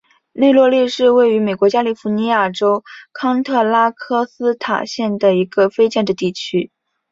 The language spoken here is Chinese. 内罗利是位于美国加利福尼亚州康特拉科斯塔县的一个非建制地区。